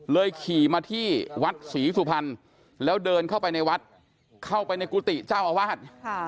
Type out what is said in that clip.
ขี่มาที่วัดศรีสุพรรณแล้วเดินเข้าไปในวัดเข้าไปในกุฏิเจ้าอาวาส